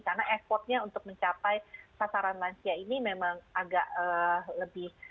karena effortnya untuk mencapai sasaran lansia ini memang agak lebih berat ya